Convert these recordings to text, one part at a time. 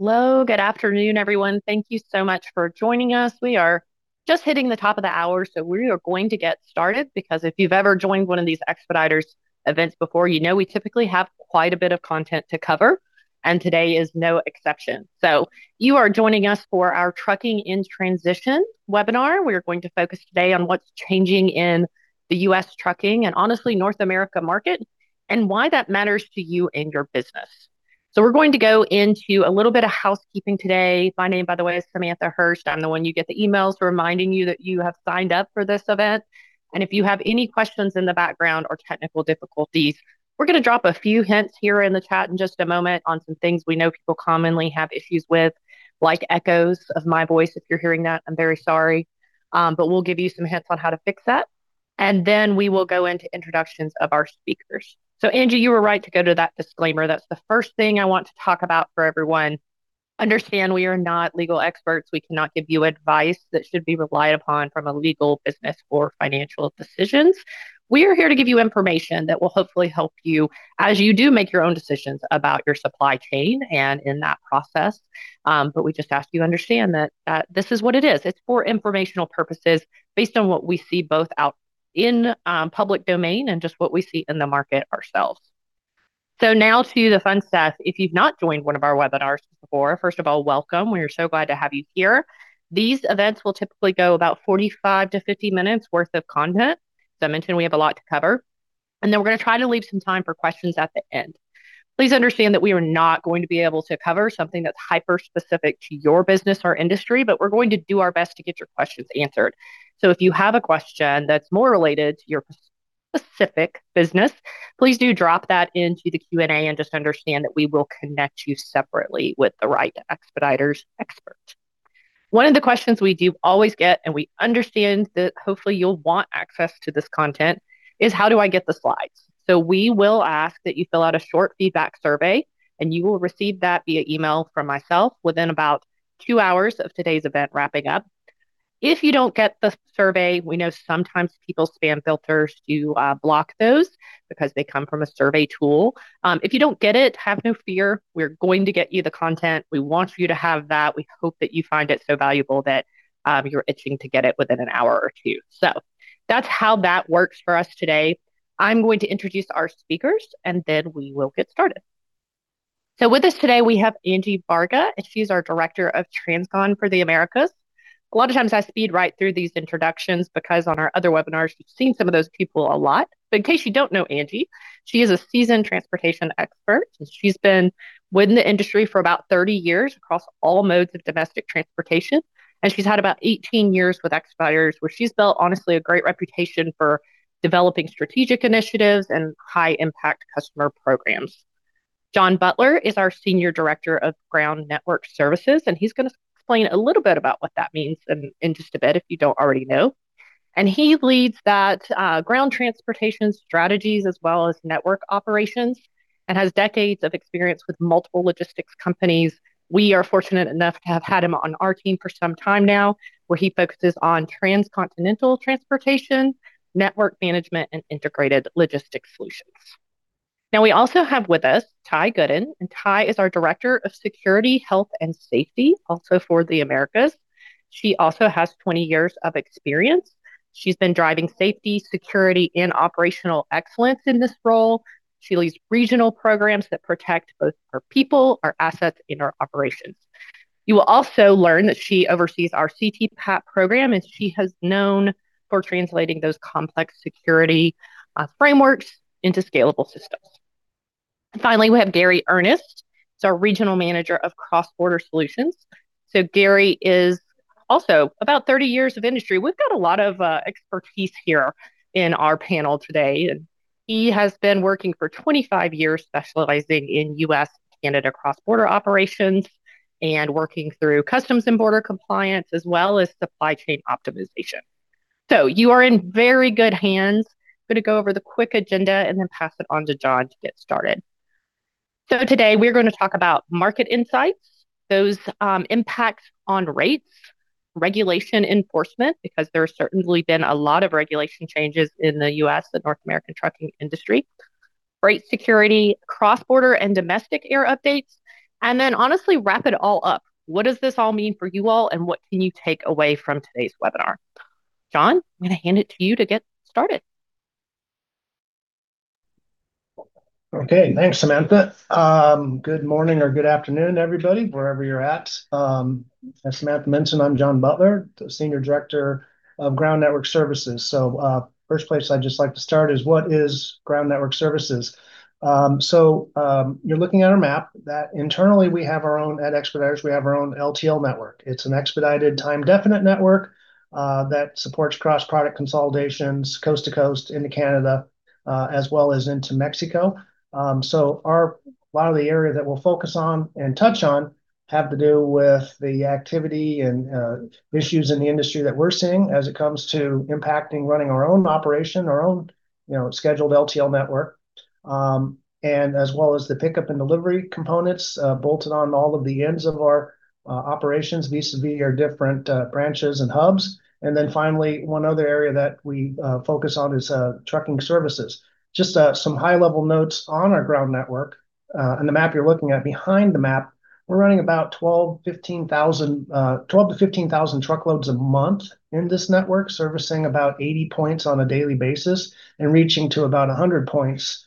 Hello. Good afternoon, everyone. Thank you so much for joining us. We are just hitting the top of the hour, we are going to get started because if you've ever joined one of these Expeditors events before, you know we typically have quite a bit of content to cover, and today is no exception. You are joining us for our Trucking in Transition webinar. We are going to focus today on what's changing in the U.S. trucking, and honestly, North America market, and why that matters to you and your business. We're going to go into a little bit of housekeeping today. My name, by the way, is Samantha Hurst. I'm the one you get the emails reminding you that you have signed up for this event. If you have any questions in the background or technical difficulties, we're going to drop a few hints here in the chat in just a moment on some things we know people commonly have issues with, like echoes of my voice. If you're hearing that, I'm very sorry. We'll give you some hints on how to fix that, we will go into introductions of our speakers. Angi, you were right to go to that disclaimer. That's the first thing I want to talk about for everyone. Understand we are not legal experts. We cannot give you advice that should be relied upon from a legal business or financial decisions. We are here to give you information that will hopefully help you as you do make your own decisions about your supply chain and in that process. We just ask you understand that this is what it is. It's for informational purposes based on what we see both out in public domain and just what we see in the market ourselves. Now to the fun stuff. If you've not joined one of our webinars before, first of all, welcome. We are so glad to have you here. These events will typically go about 45 to 50 minutes worth of content. As I mentioned, we have a lot to cover. We're going to try to leave some time for questions at the end. Please understand that we are not going to be able to cover something that's hyper-specific to your business or industry, but we're going to do our best to get your questions answered. If you have a question that's more related to your specific business, please do drop that into the Q&A and just understand that we will connect you separately with the right Expeditors expert. One of the questions we do always get, and we understand that hopefully you'll want access to this content, is how do I get the slides? We will ask that you fill out a short feedback survey, and you will receive that via email from myself within about two hours of today's event wrapping up. If you don't get the survey, we know sometimes people's spam filters do block those because they come from a survey tool. If you don't get it, have no fear. We're going to get you the content. We want you to have that. We hope that you find it so valuable that you're itching to get it within an hour or two. That's how that works for us today. I'm going to introduce our speakers and then we will get started. With us today, we have Angi Varga, and she's our Director of Transcon for the Americas. A lot of times I speed right through these introductions because on our other webinars you've seen some of those people a lot. In case you don't know Angi, she is a seasoned transportation expert. She's been within the industry for about 30 years across all modes of domestic transportation, and she's had about 18 years with Expeditors, where she's built, honestly, a great reputation for developing strategic initiatives and high-impact customer programs. John Butler is our Senior Director of Ground Network Services, and he's going to explain a little bit about what that means in just a bit if you don't already know. He leads that ground transportation strategies as well as network operations and has decades of experience with multiple logistics companies. We are fortunate enough to have had him on our team for some time now, where he focuses on transcontinental transportation, network management, and integrated logistics solutions. Now we also have with us Tai Gooden, and Tai is our Director of Security, Health, and Safety, also for the Americas. She also has 20 years of experience. She's been driving safety, security, and operational excellence in this role. She leads regional programs that protect both our people, our assets, and our operations. You will also learn that she oversees our CTPAT program, and she has known for translating those complex security frameworks into scalable systems. Finally, we have Gary Ernest. He's our Regional Manager of Cross Border Solutions. Gary is also about 30 years of industry. We've got a lot of expertise here in our panel today. He has been working for 25 years specializing in U.S., Canada cross-border operations and working through customs and border compliance as well as supply chain optimization. You are in very good hands. I'm going to go over the quick agenda and then pass it on to John to get started. Today we're going to talk about market insights, those impacts on rates, regulation enforcement, because there's certainly been a lot of regulation changes in the U.S. and North American trucking industry, freight security, cross-border and domestic air updates, honestly, wrap it all up. What does this all mean for you all and what can you take away from today's webinar? John, I'm going to hand it to you to get started. Okay. Thanks, Samantha. Good morning or good afternoon, everybody, wherever you're at. As Samantha mentioned, I'm John Butler, the Senior Director of Ground Network Services. First place I'd just like to start is what is Ground Network Services? You're looking at our map that internally we have our own, at Expeditors, we have our own LTL network. It's an expedited time definite network that supports cross product consolidations coast to coast into Canada as well as into Mexico. A lot of the area that we'll focus on and touch on have to do with the activity and issues in the industry that we're seeing as it comes to impacting running our own operation, our own scheduled LTL network. And as well as the pickup and delivery components bolted on all of the ends of our operations vis-a-vis our different branches and hubs. Finally, one other area that we focus on is trucking services. Just some high-level notes on our ground network, and the map you're looking at behind the map, we're running about 12,000-15,000 truckloads a month in this network, servicing about 80 points on a daily basis and reaching to about 100 points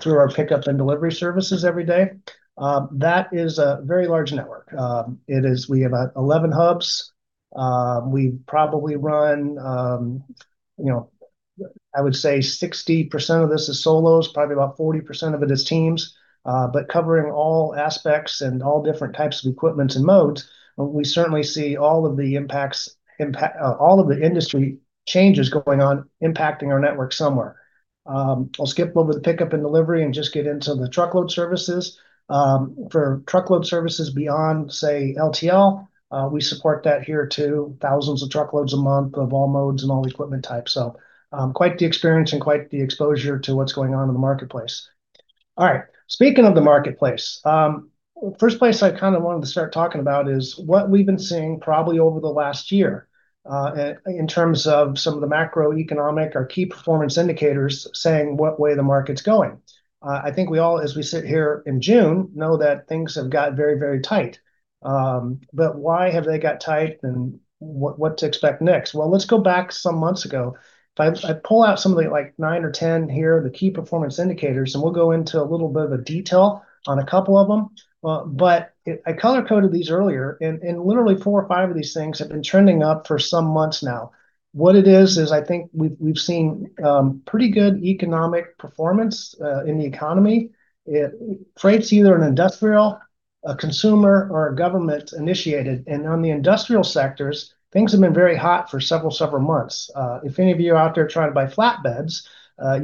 through our pickup and delivery services every day. That is a very large network. We have 11 hubs. We probably run, I would say 60% of this is solos, probably about 40% of it is teams, but covering all aspects and all different types of equipment and modes, we certainly see all of the industry changes going on impacting our network somewhere. I'll skip over the pickup and delivery and just get into the truckload services. For truckload services beyond, say, LTL, we support that here too, thousands of truckloads a month of all modes and all equipment types. Quite the experience and quite the exposure to what's going on in the marketplace. All right. Speaking of the marketplace. First place I wanted to start talking about is what we've been seeing probably over the last year, in terms of some of the macroeconomic or Key Performance Indicators saying what way the market's going. I think we all, as we sit here in June, know that things have got very, very tight. Why have they got tight and what to expect next? Let's go back some months ago. If I pull out something like 9 or 10 here, the Key Performance Indicators, and we'll go into a little bit of a detail on a couple of them. I color-coded these earlier, and literally four or five of these things have been trending up for some months now. What it is, is I think we've seen pretty good economic performance in the economy. Freight's either an industrial, a consumer, or a government-initiated. On the industrial sectors, things have been very hot for several months. If any of you are out there trying to buy flatbeds,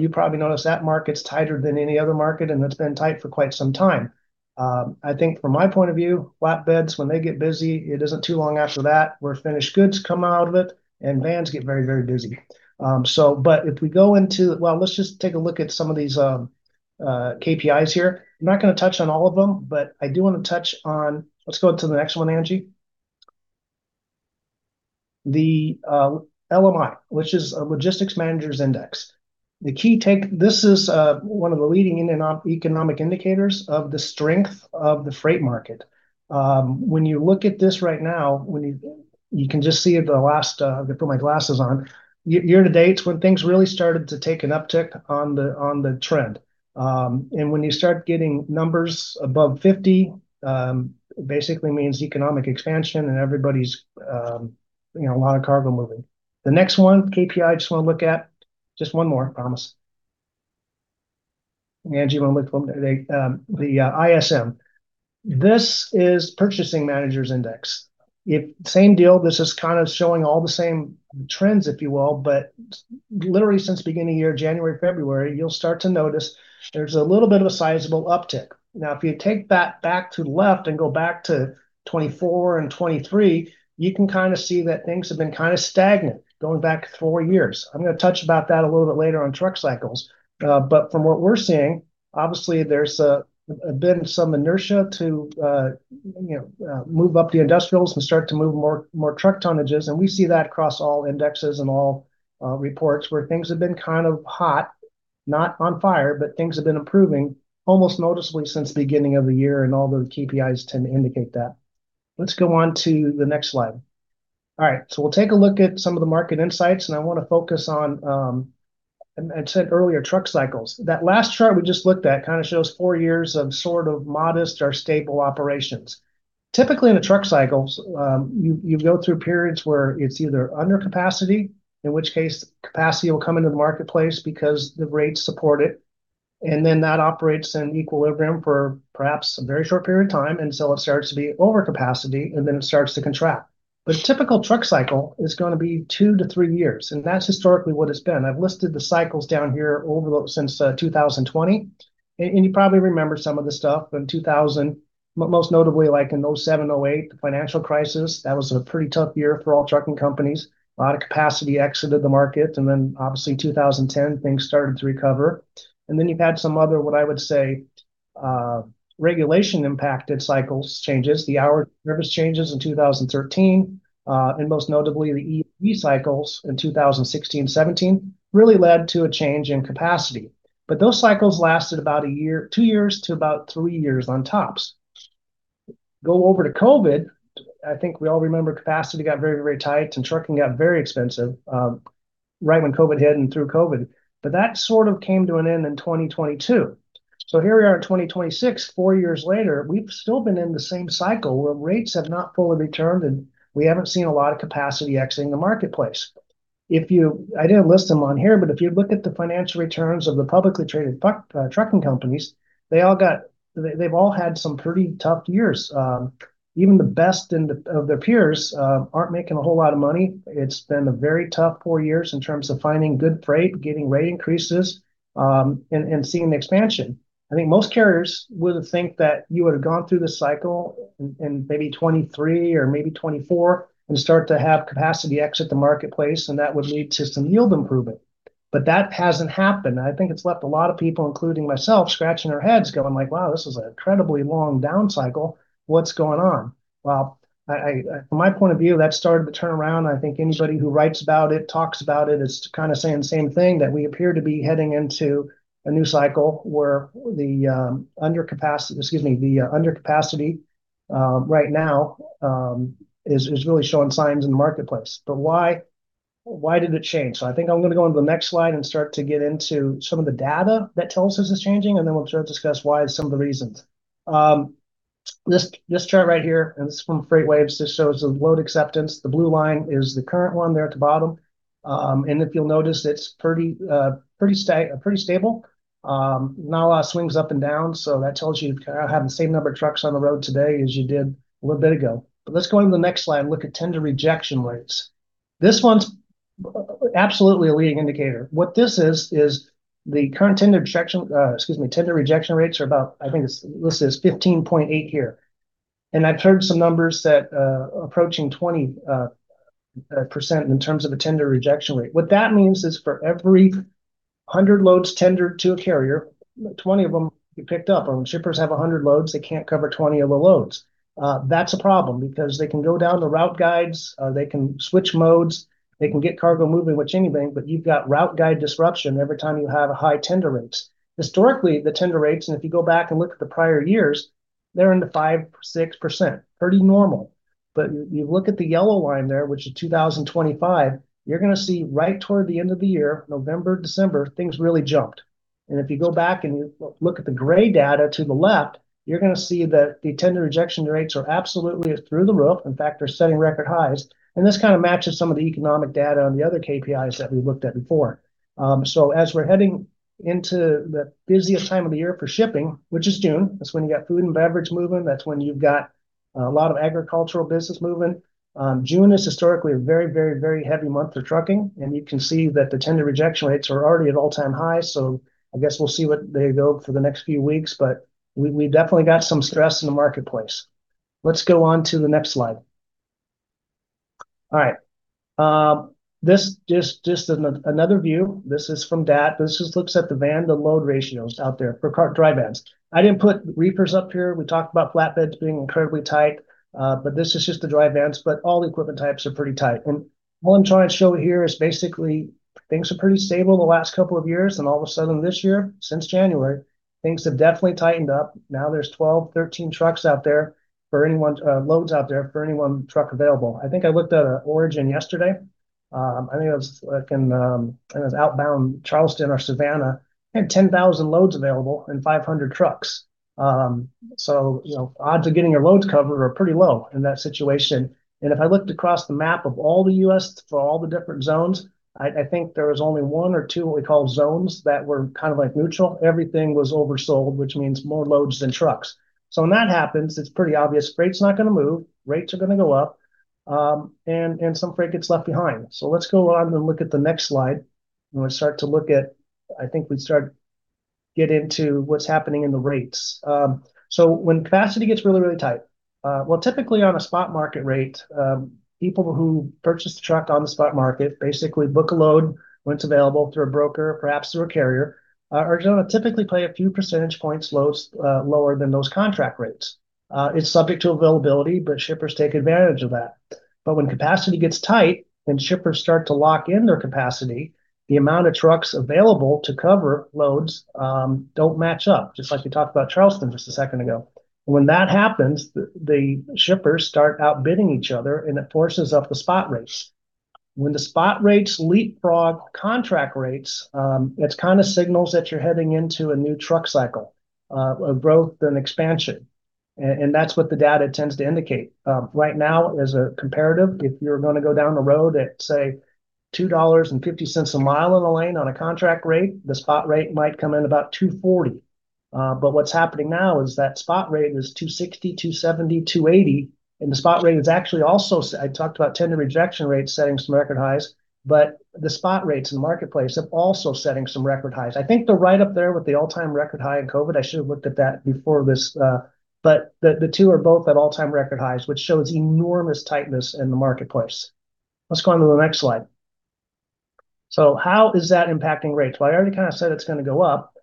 you probably notice that market's tighter than any other market, and it's been tight for quite some time. I think from my point of view, flatbeds, when they get busy, it isn't too long after that where finished goods come out of it and vans get very, very busy. Let's just take a look at some of these KPIs here. I'm not going to touch on all of them, but I do want to touch on. Let's go to the next one, Angi. The LMI, which is a Logistics Managers' Index. This is one of the leading economic indicators of the strength of the freight market. When you look at this right now, you can just see at the last, let me put my glasses on. Year to date is when things really started to take an uptick on the trend. When you start getting numbers above 50, basically means economic expansion and a lot of cargo moving. The next one, KPI, I just want to look at, just one more, promise. Angi, the ISM. This is Purchasing Managers' Index. Same deal. This is showing all the same trends, if you will. Literally since the beginning of the year, January, February, you'll start to notice there's a little bit of a sizable uptick. Now, if you take that back to the left and go back to 2024 and 2023, you can see that things have been stagnant going back four years. I'm going to touch about that a little bit later on truck cycles. From what we're seeing, obviously, there's been some inertia to move up the industrials and start to move more truck tonnages, and we see that across all indexes and all reports where things have been hot, not on fire, but things have been improving almost noticeably since the beginning of the year, and all the KPIs tend to indicate that. Let's go on to the next slide. All right. We'll take a look at some of the market insights, and I want to focus on, I said earlier, truck cycles. That last chart we just looked at shows four years of modest or stable operations. Typically, in the truck cycles, you go through periods where it's either under capacity, in which case capacity will come into the marketplace because the rates support it, and then that operates in equilibrium for perhaps a very short period of time, and so it starts to be over capacity, and then it starts to contract. A typical truck cycle is going to be two to three years, and that's historically what it's been. I've listed the cycles down here since 2020. You probably remember some of the stuff in 2000, most notably like in 2007, 2008, the financial crisis. That was a pretty tough year for all trucking companies. A lot of capacity exited the market. Then obviously 2010, things started to recover. Then you've had some other, what I would say, regulation impacted cycles changes, the hour service changes in 2013, and most notably the ELD cycles in 2016, 2017 really led to a change in capacity. Those cycles lasted about a year, two years to about three years on tops. Go over to COVID. I think we all remember capacity got very, very tight, and trucking got very expensive, right when COVID hit and through COVID. That sort of came to an end in 2022. Here we are in 2026, four years later, we've still been in the same cycle where rates have not fully returned, and we haven't seen a lot of capacity exiting the marketplace. I didn't list them on here, but if you look at the financial returns of the publicly traded trucking companies, they've all had some pretty tough years. Even the best of their peers aren't making a whole lot of money. It's been a very tough four years in terms of finding good freight, getting rate increases, and seeing expansion. I think most carriers would think that you would've gone through this cycle in maybe 2023 or maybe 2024 and start to have capacity exit the marketplace, and that would lead to some yield improvement. That hasn't happened. I think it's left a lot of people, including myself, scratching their heads going like, "Wow, this is an incredibly long down cycle. What's going on?" Well, from my point of view, that started to turn around. I think anybody who writes about it, talks about it, is kind of saying the same thing, that we appear to be heading into a new cycle where the undercapacity right now is really showing signs in the marketplace. Why did it change? I think I'm going to go on to the next slide and start to get into some of the data that tells us it's changing, and then we'll start to discuss why some of the reasons. This chart right here, and this is from FreightWaves, just shows the load acceptance. The blue line is the current one there at the bottom. If you'll notice, it's pretty stable. Not a lot of swings up and down, so that tells you kind of having the same number of trucks on the road today as you did a little bit ago. Let's go into the next slide and look at tender rejection rates. This one's absolutely a leading indicator. What this is the current tender rejection rates are about, I think this list says 15.8 here. I've heard some numbers that approaching 20% in terms of a tender rejection rate. What that means is for every 100 loads tendered to a carrier, 20 of them get picked up, or when shippers have 100 loads, they can't cover 20 of the loads. That's a problem because they can go down the route guides, they can switch modes, they can get cargo moving, which anything, but you've got route guide disruption every time you have high tender rates. Historically, the tender rates, and if you go back and look at the prior years, they're in the 5%, 6%, pretty normal. You look at the yellow line there, which is 2025, you're going to see right toward the end of the year, November, December, things really jumped. If you go back and you look at the gray data to the left, you're going to see that the tender rejection rates are absolutely through the roof. In fact, they're setting record highs, and this kind of matches some of the economic data on the other KPIs that we looked at before. As we're heading into the busiest time of the year for shipping, which is June, that's when you got food and beverage moving, that's when you've got a lot of agricultural business moving. June is historically a very heavy month for trucking, and you can see that the tender rejection rates are already at all-time highs. I guess we'll see what they go for the next few weeks, but we definitely got some stress in the marketplace. Let's go on to the next slide. All right. This is just another view. This is from DAT. This just looks at the van-to-load ratios out there for dry vans. I didn't put reefers up here. We talked about flatbeds being incredibly tight. This is just the dry vans, but all the equipment types are pretty tight. What I'm trying to show here is basically things were pretty stable the last couple of years, and all of a sudden this year, since January, things have definitely tightened up. Now there's 12, 13 loads out there for any one truck available. I think I looked at an origin yesterday. I think it was like in outbound Charleston or Savannah, they had 10,000 loads available and 500 trucks. Odds of getting your loads covered are pretty low in that situation. If I looked across the map of all the U.S. for all the different zones, I think there was only one or two of what we call zones that were kind of like neutral. Everything was oversold, which means more loads than trucks. When that happens, it's pretty obvious freight's not going to move, rates are going to go up, and some freight gets left behind. Let's go on and look at the next slide, and we'll start to look at, I think we start get into what's happening in the rates. When capacity gets really tight, well, typically on a spot market rate, people who purchase the truck on the spot market basically book a load when it's available through a broker or perhaps through a carrier, are going to typically play a few percentage points lower than those contract rates. It's subject to availability, but shippers take advantage of that. When capacity gets tight and shippers start to lock in their capacity, the amount of trucks available to cover loads don't match up, just like we talked about Charleston just a second ago. When that happens, the shippers start outbidding each other, and it forces up the spot rates. When the spot rates leapfrog contract rates, it kind of signals that you're heading into a new truck cycle of growth and expansion. That's what the data tends to indicate. Right now, as a comparative, if you're going to go down the road at, say, $2.50 a mile on a lane on a contract rate, the spot rate might come in about $2.40. What's happening now is that spot rate is $2.60, $2.70, $2.80, and the spot rate is actually also I talked about tender rejection rates setting some record highs, but the spot rates in the marketplace are also setting some record highs. I think they're right up there with the all-time record high in COVID. I should have looked at that before this. The two are both at all-time record highs, which shows enormous tightness in the marketplace. Let's go on to the next slide. How is that impacting rates? Well, I already kind of said it's going to go up.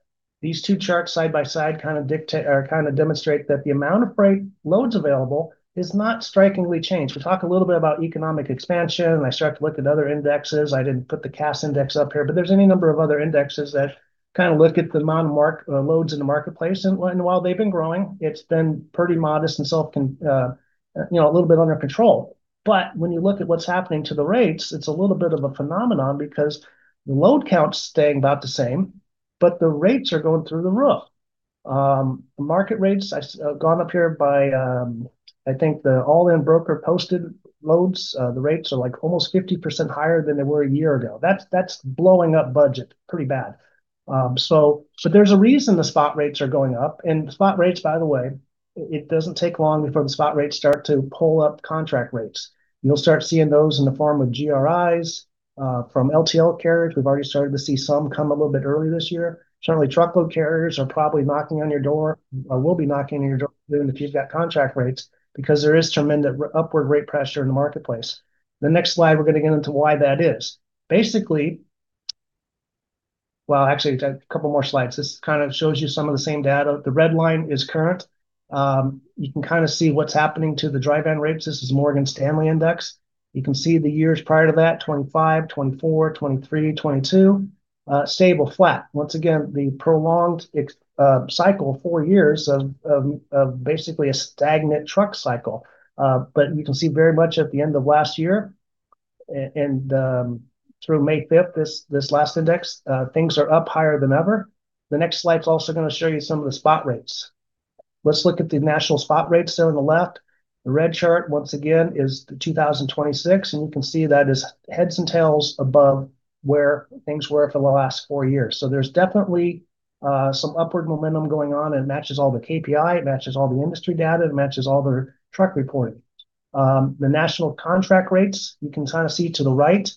These two charts side by side kind of demonstrate that the amount of freight loads available is not strikingly changed. We talk a little bit about economic expansion, and I start to look at other indexes. I didn't put the Cass index up here, but there's any number of other indexes that kind of look at the amount of loads in the marketplace. While they've been growing, it's been pretty modest and a little bit under control. When you look at what's happening to the rates, it's a little bit of a phenomenon because the load count's staying about the same, the rates are going through the roof. The market rates gone up here by, I think the all-in broker posted loads. The rates are like almost 50% higher than they were a year ago. That's blowing up budget pretty bad. There's a reason the spot rates are going up. The spot rates, by the way, it doesn't take long before the spot rates start to pull up contract rates. You'll start seeing those in the form of GRIs from LTL carriers. We've already started to see some come a little bit earlier this year. Certainly, truckload carriers are probably knocking on your door or will be knocking on your door even if you've got contract rates because there is tremendous upward rate pressure in the marketplace. The next slide, we're going to get into why that is. Well, actually, a couple more slides. This kind of shows you some of the same data. The red line is current. You can kind of see what's happening to the dry van rates. This is Morgan Stanley index. You can see the years prior to that, 2025, 2024, 2023, 2022 stable, flat. Once again, the prolonged cycle, four years of basically a stagnant truck cycle. You can see very much at the end of last year and through May 5th, this last index, things are up higher than ever. The next slide's also going to show you some of the spot rates. Let's look at the national spot rates there on the left. The red chart, once again, is the 2026, and you can see that is heads and tails above where things were for the last four years. There's definitely some upward momentum going on, and it matches all the KPI, it matches all the industry data, it matches all their truck reporting. The national contract rates you can kind of see to the right.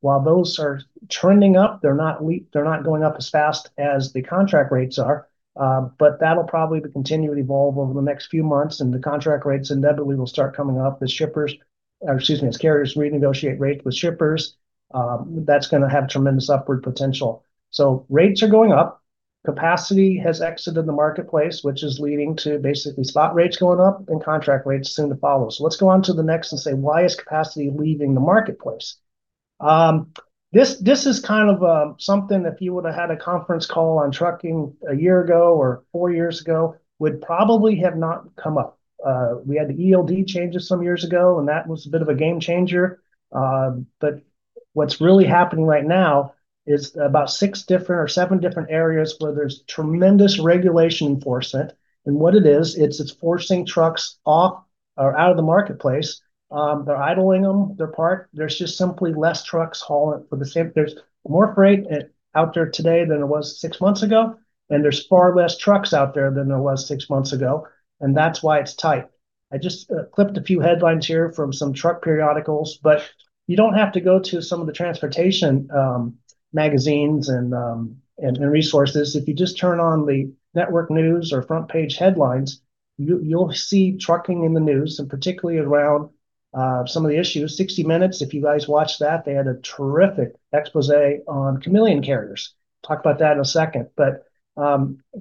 While those are trending up, they're not going up as fast as the contract rates are. That'll probably continue to evolve over the next few months and the contract rates inevitably will start coming up as carriers renegotiate rates with shippers. That's going to have tremendous upward potential. Rates are going up. Capacity has exited the marketplace, which is leading to basically spot rates going up and contract rates soon to follow. Let's go on to the next and say, why is capacity leaving the marketplace? This is kind of something if you would've had a conference call on trucking a year ago or four years ago, would probably have not come up. We had the ELD changes some years ago, and that was a bit of a game changer. What's really happening right now is about six different or seven different areas where there's tremendous regulation enforcement. What it is, it's forcing trucks off or out of the marketplace. They're idling them, they're parked. There's more freight out there today than there was six months ago, and there's far less trucks out there than there was six months ago, and that's why it's tight. I just clipped a few headlines here from some truck periodicals, but you don't have to go to some of the transportation magazines and resources. If you just turn on the network news or front page headlines, you'll see trucking in the news, and particularly around some of the issues. "60 Minutes", if you guys watch that, they had a terrific exposé on chameleon carriers. Talk about that in a second.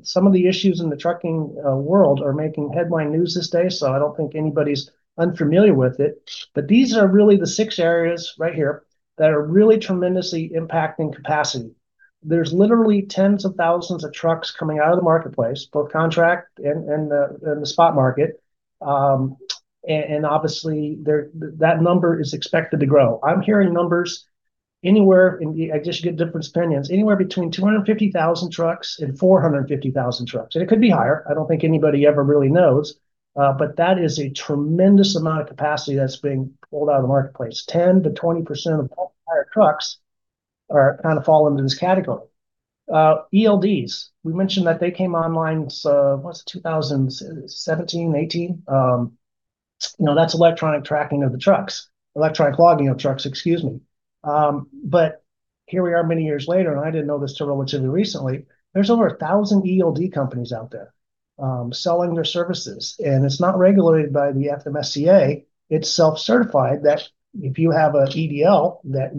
Some of the issues in the trucking world are making headline news this day, I don't think anybody's unfamiliar with it. These are really the six areas right here that are really tremendously impacting capacity. There's literally tens of thousands of trucks coming out of the marketplace, both contract and the spot market. Obviously, that number is expected to grow. I'm hearing numbers anywhere, and I just get different opinions, anywhere between 250,000 trucks and 450,000 trucks. It could be higher. I don't think anybody ever really knows. That is a tremendous amount of capacity that's being pulled out of the marketplace. 10%-20% of all truck's kind of fall into this category. ELDs. We mentioned that they came online, what was it? 2017, 2018. That's Electronic logging of trucks, excuse me. Here we are many years later, and I didn't know this till relatively recently, there's over 1,000 ELD companies out there selling their services, and it's not regulated by the FMCSA. It's self-certified that if you have an CDL, that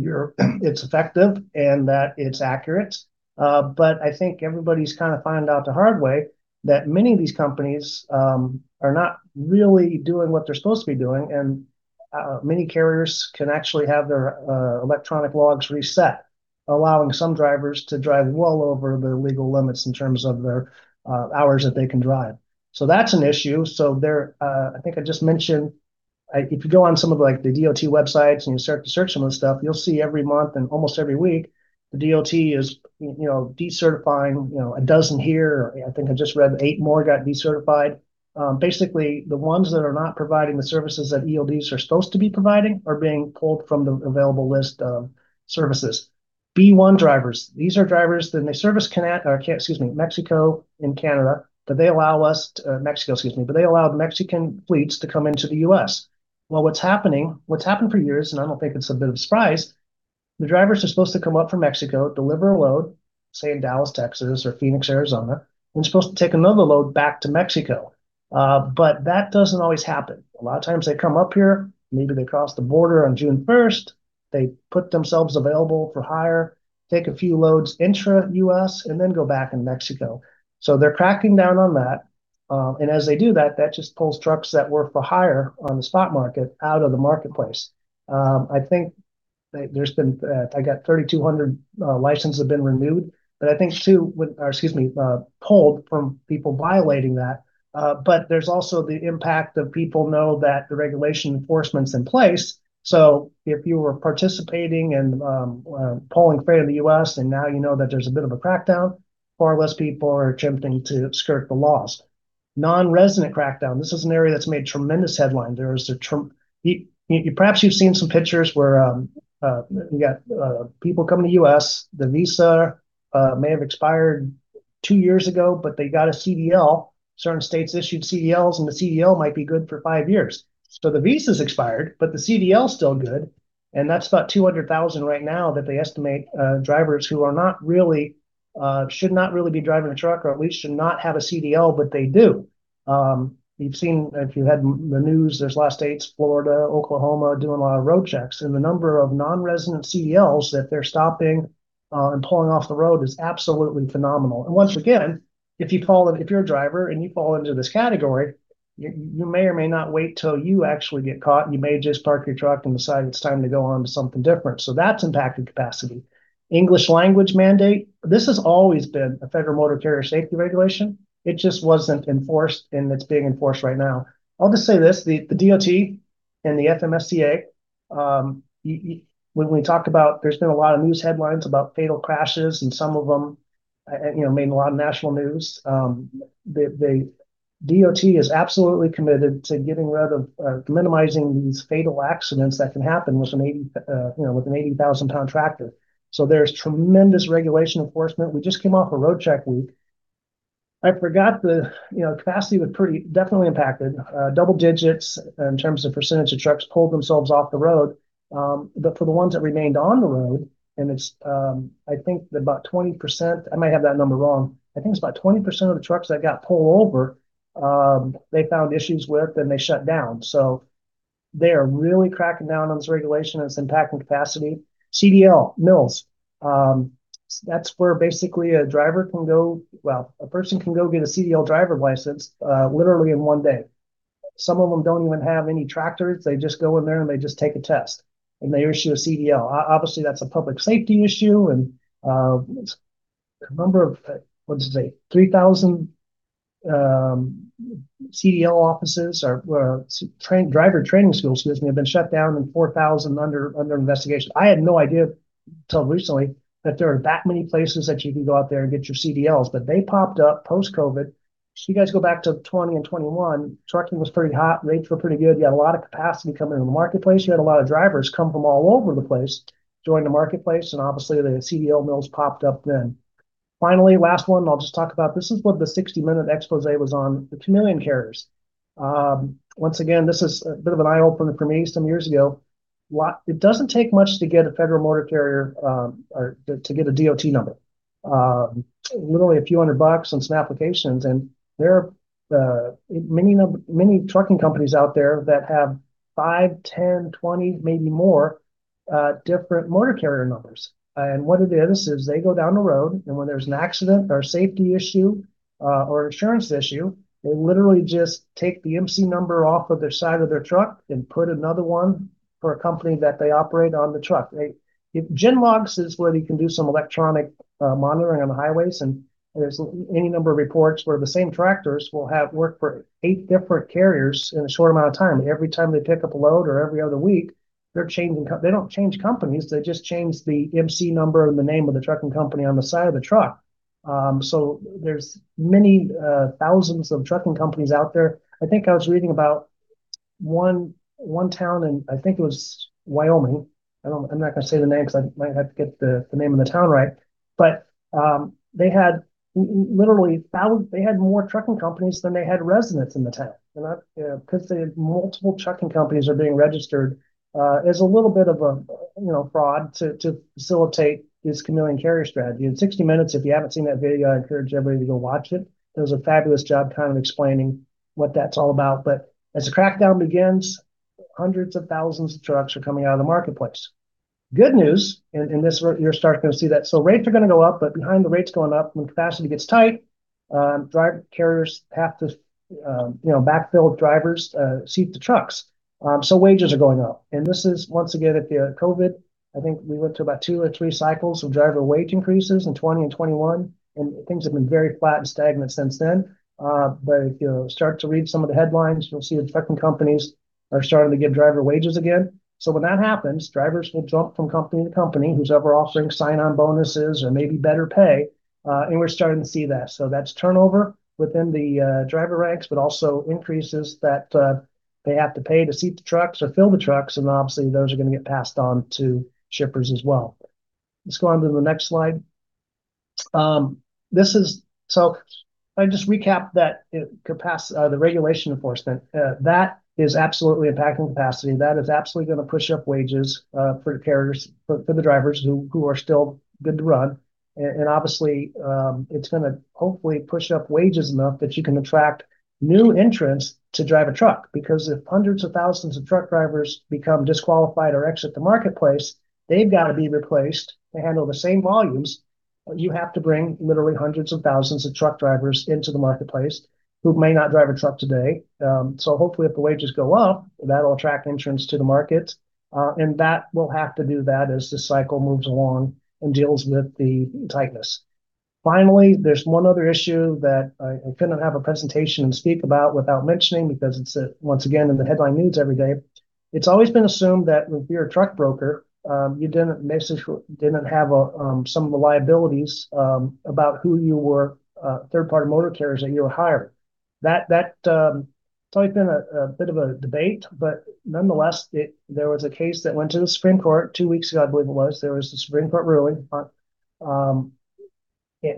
it's effective and that it's accurate. I think everybody's kind of finding out the hard way that many of these companies are not really doing what they're supposed to be doing. Many carriers can actually have their electronic logs reset, allowing some drivers to drive well over their legal limits in terms of their hours that they can drive. That's an issue. There, I think I just mentioned, if you go on some of the DOT websites and you start to search some of the stuff, you'll see every month and almost every week, the DOT is decertifying a dozen here. I think I just read eight more got decertified. Basically, the ones that are not providing the services that ELDs are supposed to be providing are being pulled from the available list of services. B-1 drivers, these are drivers, and they service Mexico and Canada. They allow Mexico, excuse me. They allow Mexican fleets to come into the U.S. Well, what's happening, what's happened for years, and I don't think it's a bit of a surprise, the drivers are supposed to come up from Mexico, deliver a load, say in Dallas, Texas, or Phoenix, Arizona, and supposed to take another load back to Mexico. That doesn't always happen. A lot of times they come up here, maybe they cross the border on June 1st. They put themselves available for hire, take a few loads intra-U.S., and then go back into Mexico. They're cracking down on that. As they do that just pulls trucks that were for hire on the spot market out of the marketplace. I think there's been 3,200 licenses have been renewed. Pulled from people violating that. There's also the impact of people know that the regulation enforcement's in place. If you were participating and pulling freight in the U.S. and now you know that there's a bit of a crackdown, far less people are attempting to skirt the laws. Non-resident crackdown, this is an area that's made tremendous headlines. Perhaps you've seen some pictures where you got people coming to U.S., the visa may have expired two years ago, but they got a CDL. Certain states issued CDLs, and the CDL might be good for five years. The visa's expired, but the CDL's still good. That's about 200,000 right now that they estimate drivers who should not really be driving a truck or at least should not have a CDL, but they do. You've seen, if you had the news, there's a lot of states, Florida, Oklahoma, doing a lot of road checks, and the number of non-resident CDLs that they're stopping and pulling off the road is absolutely phenomenal. Once again, if you're a driver and you fall into this category, you may or may not wait till you actually get caught. You may just park your truck and decide it's time to go on to something different. That's impacting capacity. English language mandate. This has always been a federal motor carrier safety regulation. It just wasn't enforced, and it's being enforced right now. I'll just say this, the DOT and the FMCSA, there's been a lot of news headlines about fatal crashes, and some of them made a lot of national news. The DOT is absolutely committed to getting rid of minimizing these fatal accidents that can happen with an 80,000 lbs tractor. There's tremendous regulation enforcement. We just came off a road check week. I forgot the capacity was definitely impacted, double digits in terms of percentage of trucks pulled themselves off the road. For the ones that remained on the road, and I think about 20%, I may have that number wrong. I think it's about 20% of the trucks that got pulled over, they found issues with, and they shut down. They are really cracking down on this regulation, and it's impacting capacity. CDL mills, that's where basically a driver can go, well, a person can go get a CDL driver license literally in one day. Some of them don't even have any tractors. They just go in there, and they just take a test, and they issue a CDL. Obviously, that's a public safety issue, and a number of, what is it, 3,000 CDL offices or driver training schools, excuse me, have been shut down, and 4,000 under investigation. I had no idea till recently that there are that many places that you can go out there and get your CDLs, but they popped up post-COVID. You guys go back to 2020 and 2021, trucking was pretty hot. Rates were pretty good. You had a lot of capacity coming in the marketplace. You had a lot of drivers come from all over the place, join the marketplace, and obviously the CDL mills popped up then. Finally, the last one I'll just talk about, this is what the 60 Minutes expose was on the chameleon carriers. Once again, this is a bit of an eye-opener for me some years ago. It doesn't take much to get a federal motor carrier or to get a DOT number. Literally a few hundred bucks and some applications, and there are many trucking companies out there that have five, 10, 20, maybe more different monetary numbers. What it is they go down the road, and when there's an accident or safety issue or insurance issue, they literally just take the MC number off of their side of their truck and put another one for a company that they operate on the truck. If Geotab is where you can do some electronic monitoring on the highways, and there's any number of reports where the same tractors will have worked for eight different carriers in a short amount of time. Every time they pick up a load or every other week, they don't change companies. They just change the MC number and the name of the trucking company on the side of the truck. There's many thousands of trucking companies out there. I think I was reading about one town in, I think it was Wyoming. I'm not going to say the name because I might have to get the name of the town right. They had more trucking companies than they had residents in the town because they had multiple trucking companies are being registered as a little bit of a fraud to facilitate this chameleon carrier strategy. 60 Minutes, if you haven't seen that video, I encourage everybody to go watch it. It does a fabulous job explaining what that's all about. As the crackdown begins, hundreds of thousands of trucks are coming out of the marketplace. Good news, and you're starting to see that. Rates are going to go up, but behind the rates going up, when capacity gets tight, carriers have to backfill drivers, seat the trucks. Wages are going to go up. This is once again at the COVID. I think we went to about two or three cycles of driver wage increases in 2020 and 2021, and things have been very flat and stagnant since then. If you start to read some of the headlines, you'll see the trucking companies are starting to give driver wages again. When that happens, drivers will jump from company to company, who's ever offering sign-on bonuses or maybe better pay, and we're starting to see that. That's turnover within the driver ranks but also increases that they have to pay to seat the trucks or fill the trucks, and obviously those are going to get passed on to shippers as well. Let's go on to the next slide. If I just recap the regulation enforcement, that is absolutely impacting capacity. That is absolutely going to push up wages for the carriers, for the drivers who are still good to run. Obviously, it's going to hopefully push up wages enough that you can attract new entrants to drive a truck because if hundreds of thousands of truck drivers become disqualified or exit the marketplace, they've got to be replaced to handle the same volumes. You have to bring literally hundreds of thousands of truck drivers into the marketplace who may not drive a truck today. Hopefully if the wages go up, that'll attract entrants to the market. That will have to do that as this cycle moves along and deals with the tightness. Finally, there's one other issue that I couldn't have a presentation and speak about without mentioning because it's once again in the headline news every day. It's always been assumed that if you're a truck broker, you didn't have some of the liabilities about who you were third-party motor carriers that you hired. That's always been a bit of a debate, but nonetheless, there was a case that went to the Supreme Court two weeks ago, I believe it was. There was a Supreme Court ruling.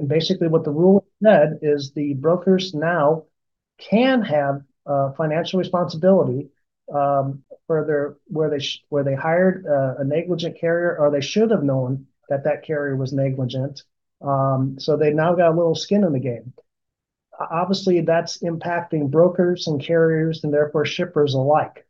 Basically, what the ruling said is the brokers now can have financial responsibility where they hired a negligent carrier, or they should have known that that carrier was negligent. So they've now got a little skin in the game. Obviously, that's impacting brokers and carriers, and therefore shippers alike.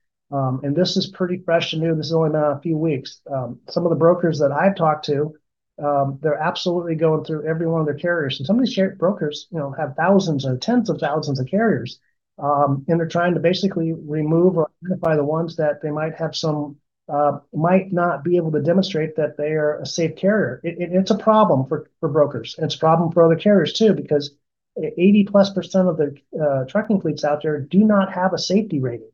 This is pretty fresh and new. This is only been a few weeks. Some of the brokers that I've talked to, they're absolutely going through every one of their carriers. Some of these brokers have thousands or tens of thousands of carriers, and they're trying to basically remove or identify the ones that might not be able to demonstrate that they are a safe carrier. It's a problem for brokers, and it's a problem for other carriers too, because 80%+ of the trucking fleets out there do not have a safety rating.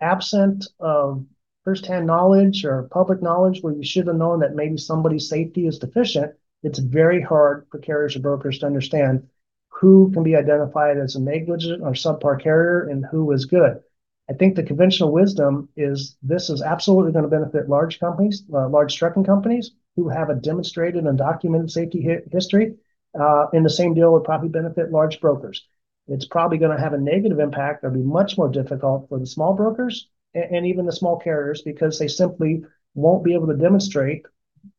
Absent of first-hand knowledge or public knowledge where you should've known that maybe somebody's safety is deficient, it's very hard for carriers or brokers to understand who can be identified as a negligent or subpar carrier and who is good. I think the conventional wisdom is this is absolutely going to benefit large trucking companies who have a demonstrated and documented safety history, and the same deal would probably benefit large brokers. It's probably going to have a negative impact, or be much more difficult, for the small brokers and even the small carriers because they simply won't be able to demonstrate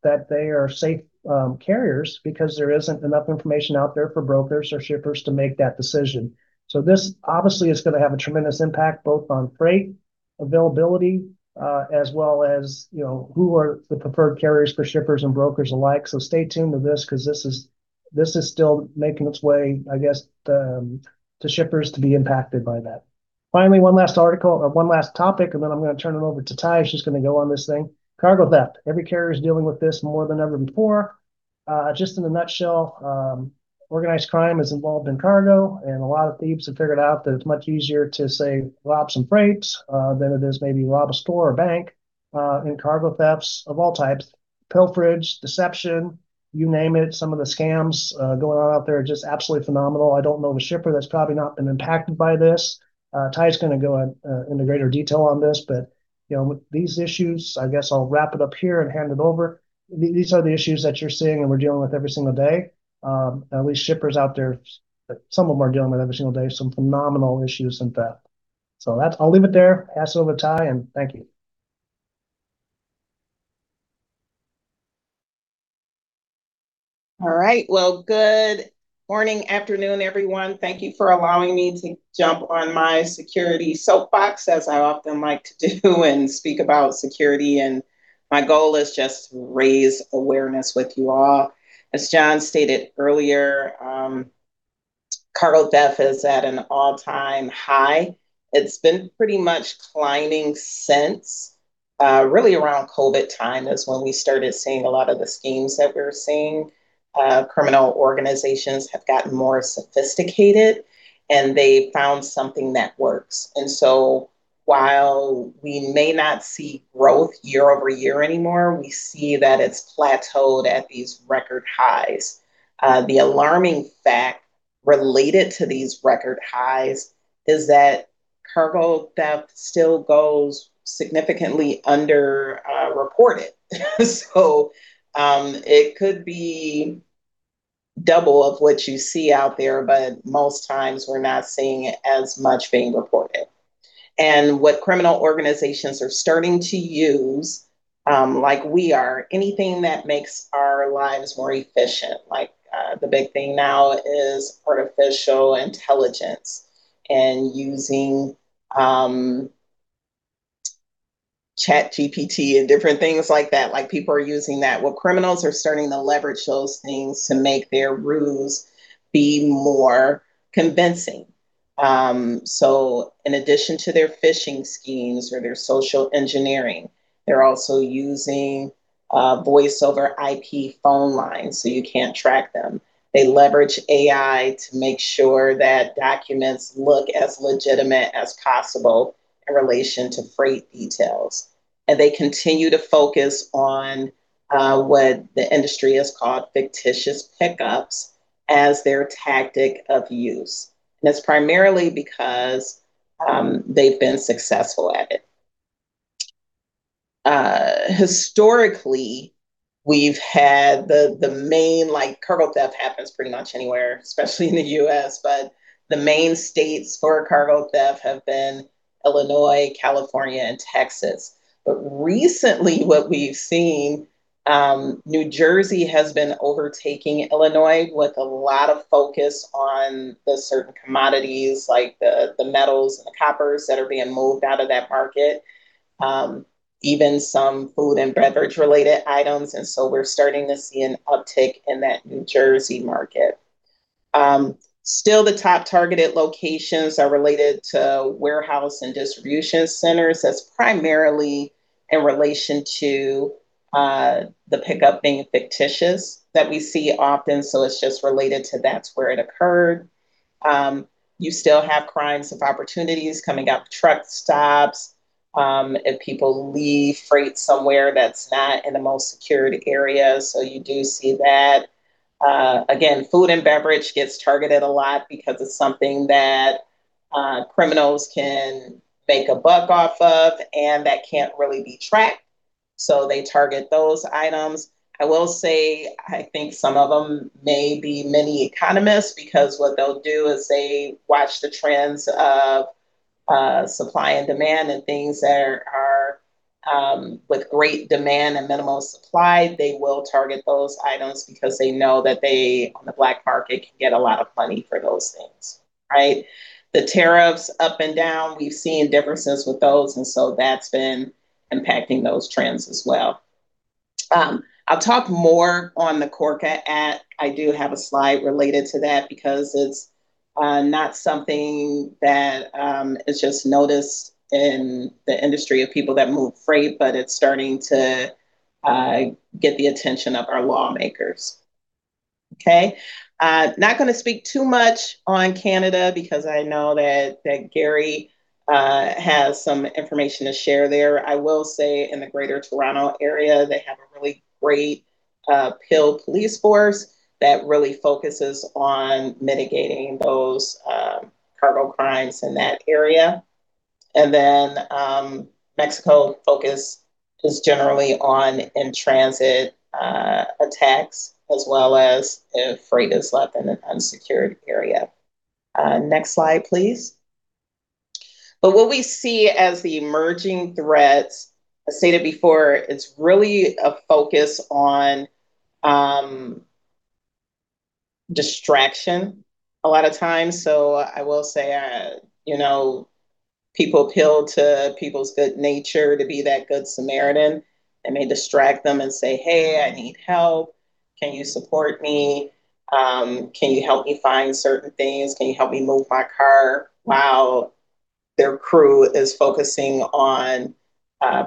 that they are safe carriers because there isn't enough information out there for brokers or shippers to make that decision. This obviously is going to have a tremendous impact, both on freight availability as well as who are the preferred carriers for shippers and brokers alike. Stay tuned to this because this is still making its way, I guess, to shippers to be impacted by that. Finally, one last topic, and then I'm going to turn it over to Tai. She's going to go on this thing. Cargo theft. Every carrier is dealing with this more than ever before. Just in a nutshell, organized crime is involved in cargo, and a lot of thieves have figured out that it's much easier to, say, rob some freight than it is maybe rob a store or bank. Cargo thefts of all types, pilferage, deception, you name it. Some of the scams going on out there are just absolutely phenomenal. I don't know of a shipper that's probably not been impacted by this. Tai's going to go into greater detail on this. With these issues, I guess I'll wrap it up here and hand it over. These are the issues that you're seeing and we're dealing with every single day. At least shippers out there, some of them are dealing with every single day some phenomenal issues and theft. I'll leave it there, pass it over to Tai, and thank you. All right. Well, good morning, afternoon, everyone. Thank you for allowing me to jump on my security soapbox, as I often like to do, and speak about security. My goal is just to raise awareness with you all. As John stated earlier, cargo theft is at an all-time high. It's been pretty much climbing since really around COVID time is when we started seeing a lot of the schemes that we're seeing. Criminal organizations have gotten more sophisticated, and they've found something that works. While we may not see growth year-over-year anymore, we see that it's plateaued at these record highs. The alarming fact related to these record highs is that cargo theft still goes significantly under-reported. It could be double of what you see out there, but most times we're not seeing it as much being reported. What criminal organizations are starting to use, like we are, anything that makes our lives more efficient. The big thing now is artificial intelligence and using ChatGPT and different things like that. People are using that. Well, criminals are starting to leverage those things to make their ruses be more convincing. In addition to their phishing schemes or their social engineering, they're also using voiceover IP phone lines so you can't track them. They leverage AI to make sure that documents look as legitimate as possible in relation to freight details. They continue to focus on what the industry has called fictitious pickups as their tactic of use. It's primarily because they've been successful at it. Historically, we've had the Cargo theft happens pretty much anywhere, especially in the U.S., but the main states for cargo theft have been Illinois, California, and Texas. Recently what we've seen, New Jersey has been overtaking Illinois with a lot of focus on the certain commodities, like the metals and the coppers that are being moved out of that market. Even some food and beverage related items. We're starting to see an uptick in that New Jersey market. Still, the top targeted locations are related to warehouse and distribution centers. That's primarily in relation to the pickup being fictitious that we see often. It's just related to that's where it occurred. You still have crimes of opportunities coming at truck stops. If people leave freight somewhere that's not in the most secured area. You do see that. Again, food and beverage gets targeted a lot because it's something that criminals can make a buck off of, and that can't really be tracked. They target those items. I will say, I think some of them may be mini-economists, because what they'll do is they watch the trends of supply and demand and things that are with great demand and minimal supply, they will target those items because they know that they, on the black market, can get a lot of money for those things. Right? The tariffs up and down, we've seen differences with those, and so that's been impacting those trends as well. I'll talk more on the CORCA Act. I do have a slide related to that because it's not something that is just noticed in the industry of people that move freight, but it's starting to get the attention of our lawmakers. Okay? Not going to speak too much on Canada because I know that Gary has some information to share there. I will say in the greater Toronto area, they have a really great Peel Police force that really focuses on mitigating those cargo crimes in that area. Mexico focus is generally on in-transit attacks, as well as if freight is left in an unsecured area. Next slide, please. What we see as the emerging threats, I stated before, it's really a focus on distraction a lot of times. I will say, people appeal to people's good nature to be that good Samaritan. They may distract them and say, "Hey, I need help. Can you support me? Can you help me find certain things? Can you help me move my car?" While their crew is focusing on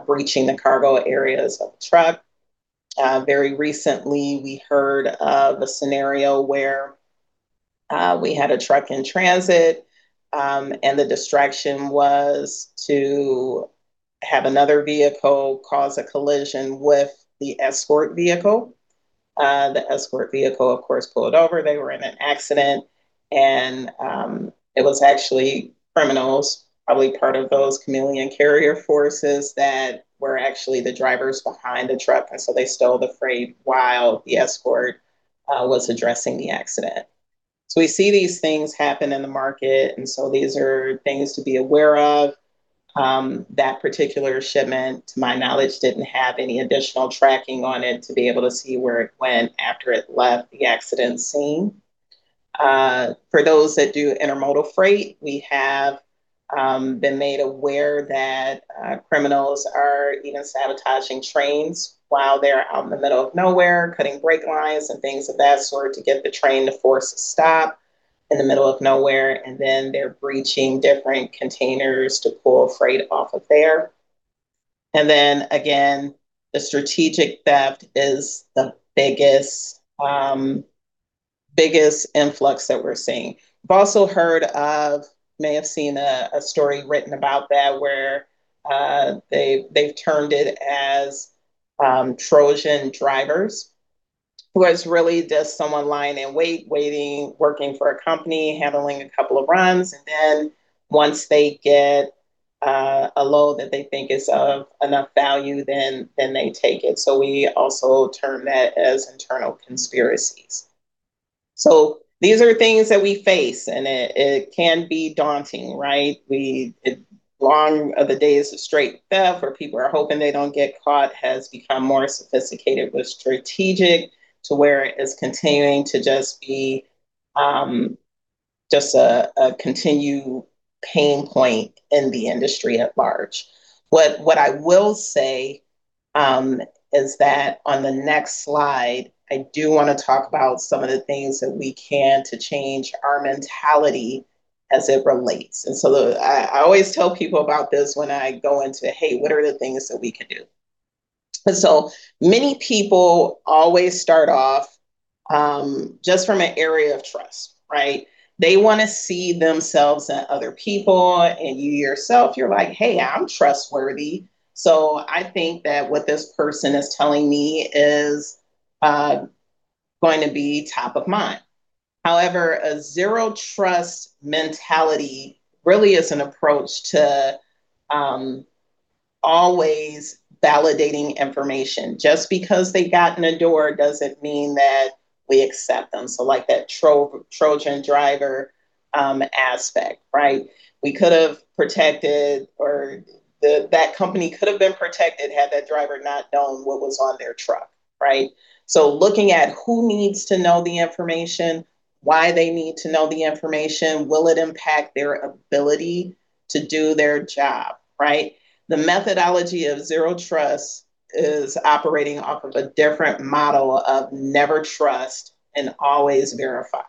breaching the cargo areas of the truck. Very recently, we heard of a scenario where we had a truck in transit, the distraction was to have another vehicle cause a collision with the escort vehicle. The escort vehicle, of course, pulled over. They were in an accident, it was actually criminals, probably part of those chameleon carriers, that were actually the drivers behind the truck. They stole the freight while the escort was addressing the accident. We see these things happen in the market, these are things to be aware of. That particular shipment, to my knowledge, didn't have any additional tracking on it to be able to see where it went after it left the accident scene. For those that do intermodal freight, we have been made aware that criminals are even sabotaging trains while they're out in the middle of nowhere, cutting brake lines and things of that sort to get the train to force a stop in the middle of nowhere, they're breaching different containers to pull freight off of there. Again, the strategic theft is the biggest influx that we're seeing. You've also heard of, may have seen a story written about that where they've termed it as Trojan drivers, where it's really just someone lying in wait, waiting, working for a company, handling a couple of runs. Once they get a load that they think is of enough value, then they take it. We also term that as internal conspiracies. These are things that we face, and it can be daunting, right? Gone are the days of straight theft where people are hoping they don't get caught, has become more sophisticated with strategic, to where it is continuing to just be just a continued pain point in the industry at large. What I will say is that on the next slide, I do want to talk about some of the things that we can do to change our mentality as it relates. I always tell people about this when I go into, "Hey, what are the things that we can do?" Many people always start off just from an area of trust, right? They want to see themselves in other people, and you yourself, you're like, "Hey, I'm trustworthy, so I think that what this person is telling me is going to be top of mind." However, a zero-trust mentality really is an approach to always validating information. Just because they've gotten a door doesn't mean that we accept them. Like that Trojan driver aspect, right? We could have protected, or that company could have been protected had that driver known what was on their truck, right? Looking at who needs to know the information, why they need to know the information, will it impact their ability to do their job, right? The methodology of zero trust is operating off of a different model of never trust and always verify.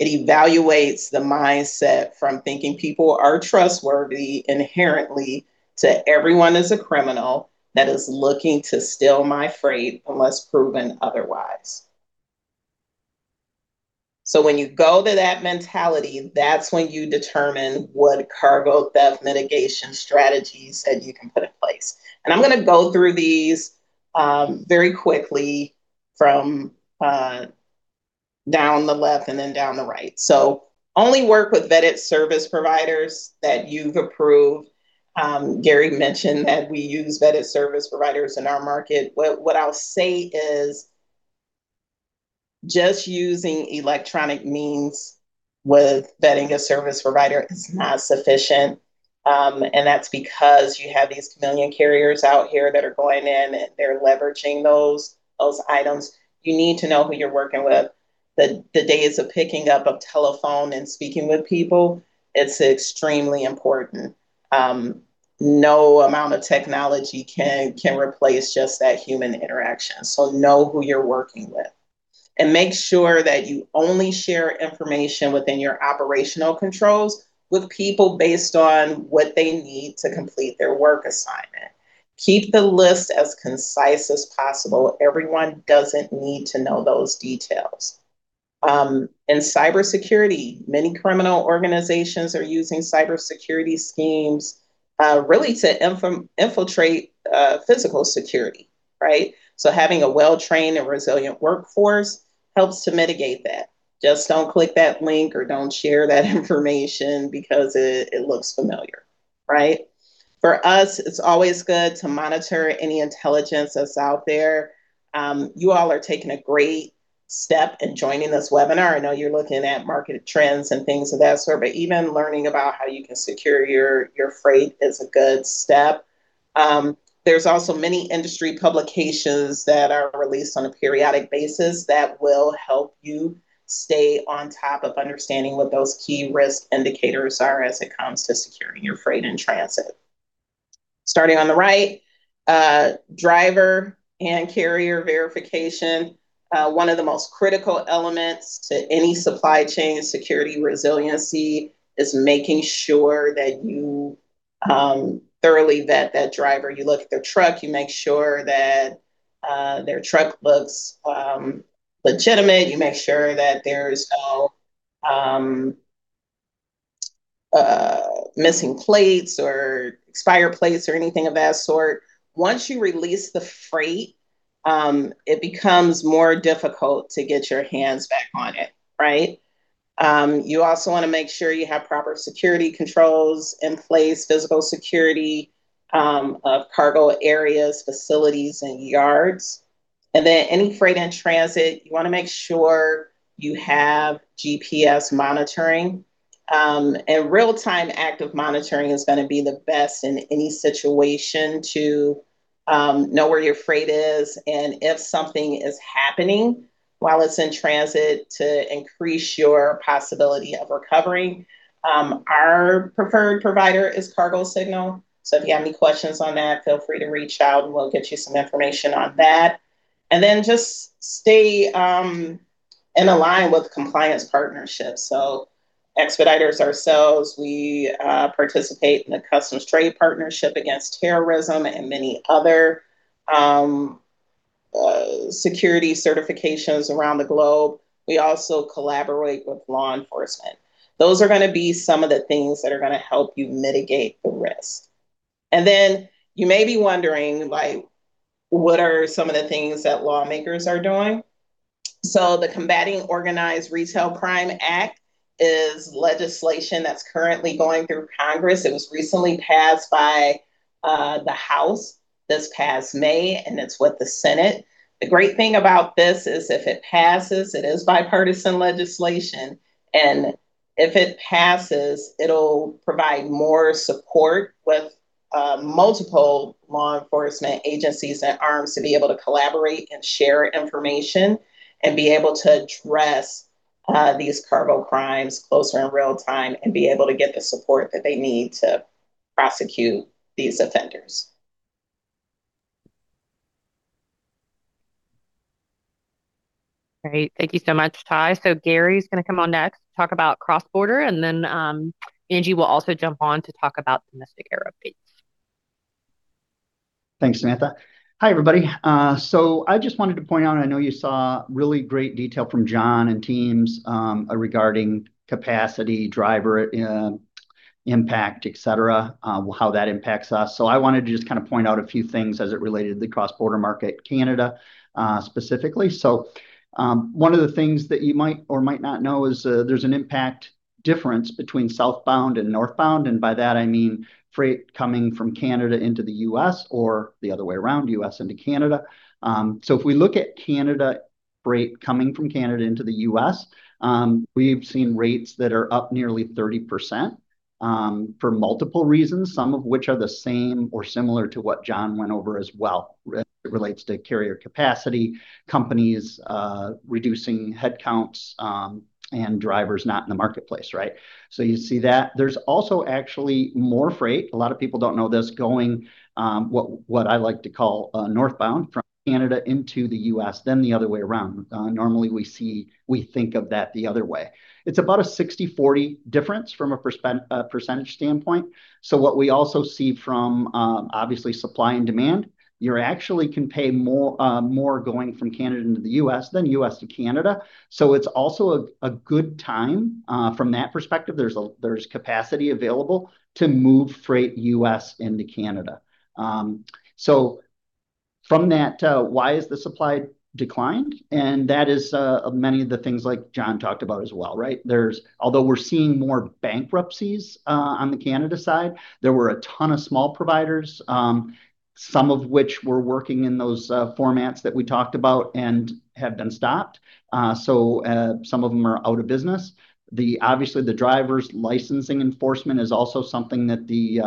It evaluates the mindset from thinking people are trustworthy inherently to everyone is a criminal that is looking to steal my freight unless proven otherwise. When you go to that mentality, that's when you determine what cargo theft mitigation strategies that you can put in place. I'm going to go through these very quickly from down the left and then down the right. Only work with vetted service providers that you've approved. Gary mentioned that we use vetted service providers in our market. What I'll say is just using electronic means with vetting a service provider is not sufficient. That's because you have these chameleon carriers out here that are going in, and they're leveraging those items. You need to know who you're working with. The days of picking up a telephone and speaking with people, it's extremely important. No amount of technology can replace just that human interaction. Know who you're working with. Make sure that you only share information within your operational controls with people based on what they need to complete their work assignment. Keep the list as concise as possible. Everyone doesn't need to know those details. In cybersecurity, many criminal organizations are using cybersecurity schemes really to infiltrate physical security. Right. Having a well-trained and resilient workforce helps to mitigate that. Just don't click that link or don't share that information because it looks familiar, right. For us, it's always good to monitor any intelligence that's out there. You all are taking a great step in joining this webinar. I know you're looking at market trends and things of that sort, but even learning about how you can secure your freight is a good step. There's also many industry publications that are released on a periodic basis that will help you stay on top of understanding what those key risk indicators are as it comes to securing your freight in transit. Starting on the right, driver and carrier verification. One of the most critical elements to any supply chain security resiliency is making sure that you thoroughly vet that driver. You look at their truck, you make sure that their truck looks legitimate. You make sure that there's no missing plates or expired plates or anything of that sort. Once you release the freight, it becomes more difficult to get your hands back on it, right? You also wanna make sure you have proper security controls in place, physical security of cargo areas, facilities, and yards. Any freight in transit, you wanna make sure you have GPS monitoring. Real-time active monitoring is gonna be the best in any situation to know where your freight is and if something is happening while it's in transit to increase your possibility of recovering. Our preferred provider is Cargo Signal. If you have any questions on that, feel free to reach out and we'll get you some information on that. Just stay in align with compliance partnerships. Expeditors ourselves, we participate in the Customs-Trade Partnership Against Terrorism and many other security certifications around the globe. We also collaborate with law enforcement. Those are gonna be some of the things that are gonna help you mitigate the risk. You may be wondering, what are some of the things that lawmakers are doing? The Combating Organized Retail Crime Act is legislation that's currently going through Congress. It was recently passed by the House this past May. It's with the Senate. The great thing about this is if it passes, it is bipartisan legislation. If it passes, it'll provide more support with multiple law enforcement agencies and arms to be able to collaborate and share information and be able to address these cargo crimes closer in real time and be able to get the support that they need to prosecute these offenders. Great. Thank you so much, Tai. Gary's gonna come on next to talk about cross-border. Angi will also jump on to talk about domestic air updates. Thanks, Samantha. Hi, everybody. I just wanted to point out, I know you saw really great detail from John and teams regarding capacity, driver impact, et cetera, how that impacts us. I wanted to just kind of point out a few things as it related to the cross-border market, Canada, specifically. One of the things that you might or might not know is there's an impact difference between southbound and northbound, and by that I mean freight coming from Canada into the U.S. or the other way around, U.S. into Canada. If we look at Canada freight coming from Canada into the U.S., we've seen rates that are up nearly 30%, for multiple reasons, some of which are the same or similar to what John went over as well. It relates to carrier capacity, companies reducing headcounts, and drivers not in the marketplace. Right? You see that. There's also actually more freight, a lot of people don't know this, going, what I like to call, northbound from Canada into the U.S. than the other way around. Normally we think of that the other way. It's about a 60/40 difference from a percentage standpoint. What we also see from, obviously, supply and demand, you actually can pay more going from Canada into the U.S. than U.S. to Canada. It's also a good time from that perspective. There's capacity available to move freight U.S. into Canada. From that, why has the supply declined? That is many of the things like John talked about as well, right? Although we're seeing more bankruptcies on the Canada side, there were a ton of small providers, some of which were working in those formats that we talked about and have been stopped. Some of them are out of business. Obviously, the drivers licensing enforcement is also something that the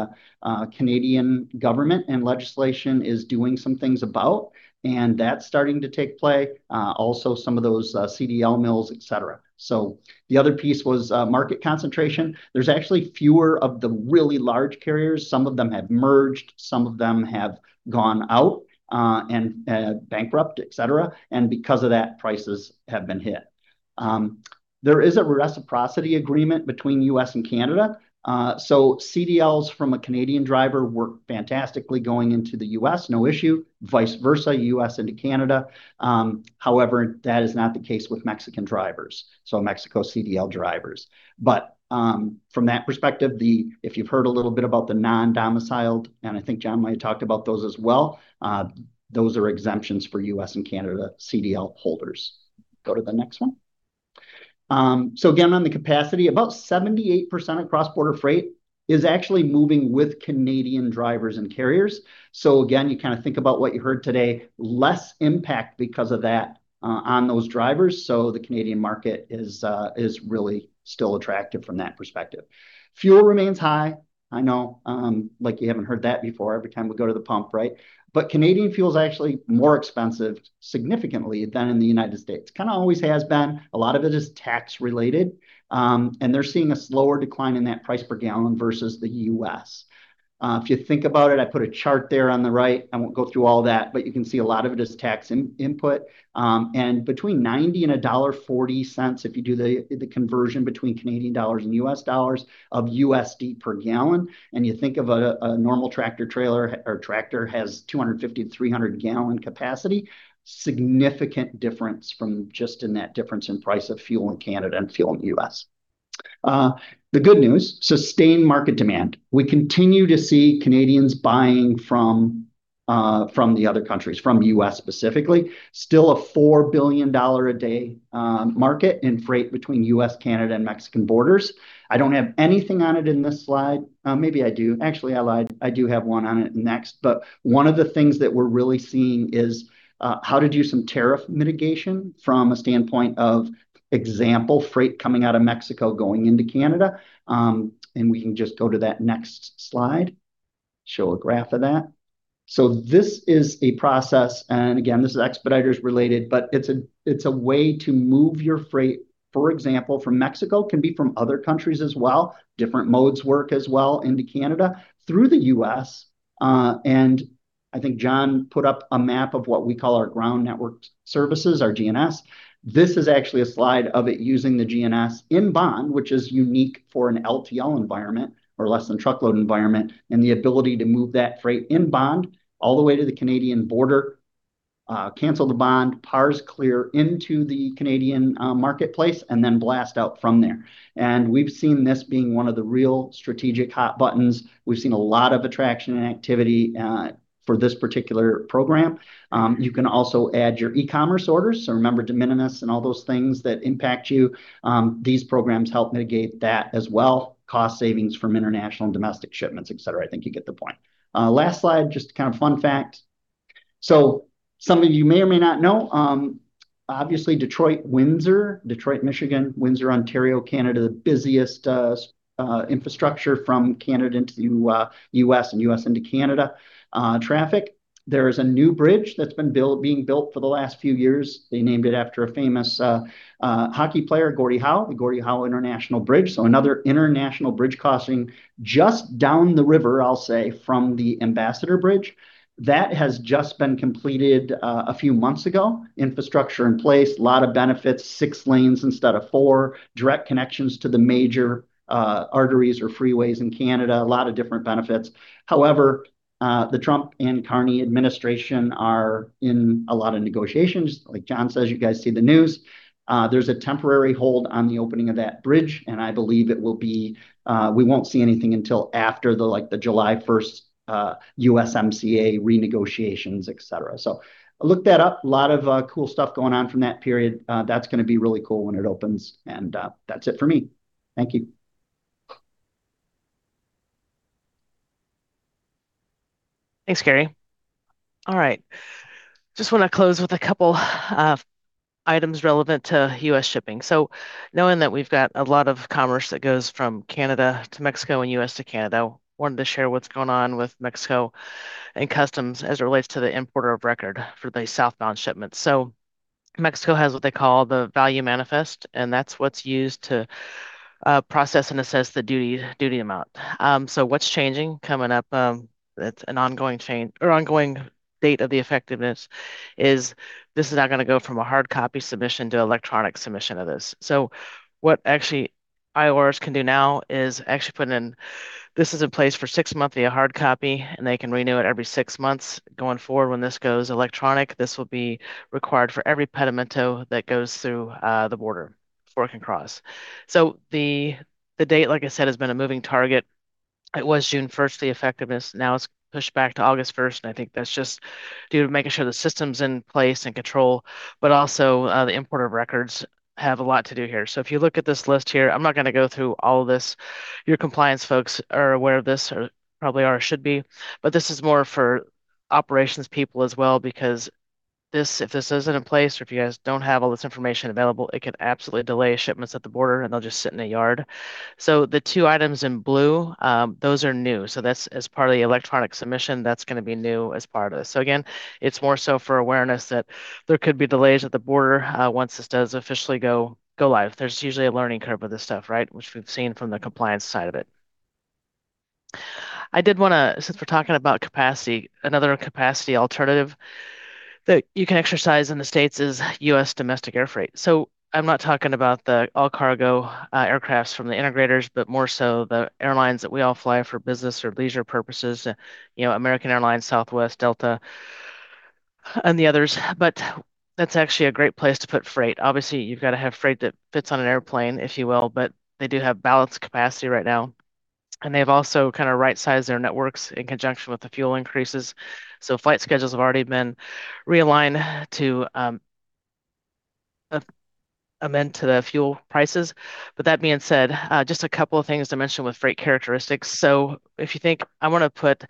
Canadian government and legislation is doing some things about, and that's starting to take play. Also, some of those CDL mills, et cetera. The other piece was market concentration. There's actually fewer of the really large carriers. Some of them have merged, some of them have gone out, and bankrupt, et cetera. Because of that, prices have been hit. There is a reciprocity agreement between U.S. and Canada. CDLs from a Canadian driver work fantastically going into the U.S., no issue. Vice versa, U.S. into Canada. However, that is not the case with Mexican drivers, so Mexico CDL drivers. From that perspective, if you've heard a little bit about the non-domiciled, and I think John might have talked about those as well, those are exemptions for U.S. and Canada CDL holders. Go to the next one. Again, on the capacity, about 78% of cross-border freight is actually moving with Canadian drivers and carriers. Again, you think about what you heard today, less impact because of that on those drivers. The Canadian market is really still attractive from that perspective. Fuel remains high. I know. Like you haven't heard that before every time we go to the pump, right? Canadian fuel is actually more expensive, significantly, than in the United States. Kind of always has been. A lot of it is tax-related. They're seeing a slower decline in that price per gallon versus the U.S. If you think about it, I put a chart there on the right. I won't go through all that, but you can see a lot of it is tax input. Between $0.90-$1.40 per gallon, if you do the conversion between Canadian dollars and U.S. dollars, of UST per gallon and you think of a normal tractor-trailer or tractor has 250-300 gal capacity, significant difference from just in that difference in price of fuel in Canada and fuel in the U.S. The good news, sustained market demand. We continue to see Canadians buying from the other countries, from the U.S. specifically. Still a $4 billion a day market in freight between U.S., Canada, and Mexican borders. I don't have anything on it in this slide. Maybe I do. Actually, I lied. I do have one on it next. One of the things that we're really seeing is how to do some tariff mitigation from a standpoint of, example, freight coming out of Mexico going into Canada. We can just go to that next slide, show a graph of that. This is a process, and again, this is Expeditors related, but it's a way to move your freight, for example, from Mexico. Can be from other countries as well. Different modes work as well into Canada through the U.S. I think John put up a map of what we call our Ground Network Services, our GNS. This is actually a slide of it using the GNS in-bond, which is unique for an LTL environment or less-than-truckload environment, and the ability to move that freight in-bond all the way to the Canadian border, cancel the bond, PARS clear into the Canadian marketplace, and then blast out from there. We've seen this being one of the real strategic hot buttons. We've seen a lot of attraction and activity for this particular program. You can also add your e-commerce orders. Remember de minimis and all those things that impact you. These programs help mitigate that as well. Cost savings from international and domestic shipments, et cetera. I think you get the point. Last slide, just kind of fun fact. Some of you may or may not know, obviously, Detroit, Windsor. Detroit, Michigan, Windsor, Ontario, Canada, the busiest infrastructure from Canada into the U.S. and U.S. into Canada traffic. There is a new bridge that's been being built for the last few years. They named it after a famous hockey player, Gordie Howe, the Gordie Howe International Bridge. Another international bridge crossing just down the river, I'll say, from the Ambassador Bridge. That has just been completed a few months ago. Infrastructure in place, lot of benefits, six lanes instead of four, direct connections to the major arteries or freeways in Canada, a lot of different benefits. However, the Trump and Carney administration are in a lot of negotiations. Like John says, you guys see the news. There's a temporary hold on the opening of that bridge, and I believe we won't see anything until after the July 1st USMCA renegotiations, et cetera. Look that up. Lot of cool stuff going on from that period. That's going to be really cool when it opens and that's it for me. Thank you. Thanks, Gary. All right. Just want to close with a couple items relevant to U.S. shipping. Knowing that we've got a lot of commerce that goes from Canada to Mexico and U.S. to Canada, wanted to share what's going on with Mexico and customs as it relates to the importer of record for the southbound shipments. Mexico has what they call the valor manifest, and that's what's used to process and assess the duty amount. What's changing coming up, it's an ongoing date of the effectiveness, is this is now going to go from a hard copy submission to electronic submission of this. What actually IORs can do now is actually put in, this is in place for six monthly, a hard copy, and they can renew it every six months. Going forward, when this goes electronic, this will be required for every pedimento that goes through the border before it can cross. The date, like I said, has been a moving target. It was June 1st, the effectiveness. Now it's pushed back to August 1st, and I think that's just due to making sure the system's in place and control, but also, the importer of records have a lot to do here. If you look at this list here, I'm not going to go through all of this. Your compliance folks are aware of this, or probably are, or should be. This is more for operations people as well, because if this isn't in place, or if you guys don't have all this information available, it could absolutely delay shipments at the border, and they'll just sit in a yard. The two items in blue, those are new. That's as part of the electronic submission, that's going to be new as part of this. Again, it's more so for awareness that there could be delays at the border, once this does officially go live. There's usually a learning curve with this stuff, right? Which we've seen from the compliance side of it. I did want to, since we're talking about capacity, another capacity alternative that you can exercise in the States is U.S. domestic air freight. I'm not talking about the all-cargo aircraft from the integrators, but more so the airlines that we all fly for business or leisure purposes. American Airlines, Southwest, Delta, and the others. That's actually a great place to put freight. Obviously, you've got to have freight that fits on an airplane, if you will, but they do have balanced capacity right now. They've also kind of right-sized their networks in conjunction with the fuel increases. Flight schedules have already been realigned to amend to the fuel prices. That being said, just a couple of things to mention with freight characteristics. If you think, I want to put